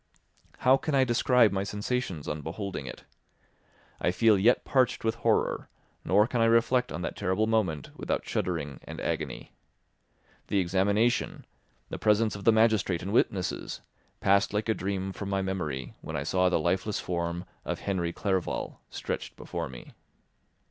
How can I describe my sensations on beholding it? I feel yet parched with horror, nor can I reflect on that terrible moment without shuddering and agony. The examination, the presence of the magistrate and witnesses, passed like a dream from my memory when I saw the lifeless form of Henry Clerval stretched before me.